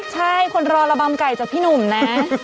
ใช่คนรอระบำไก่จากพี่หนุ่มนะ